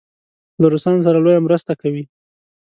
له روسانو سره لویه مرسته کوي.